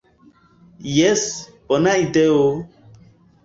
Jes, bona ideo!"